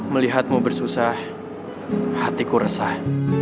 melihatmu bersusah hatiku resah